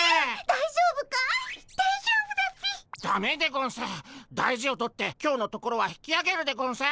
大事を取って今日のところは引きあげるでゴンス。